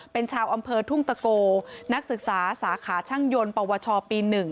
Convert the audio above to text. เป็นชาวอำเภอทุ่งตะโกนักศึกษาสาขาช่างยนต์ปวชปี๑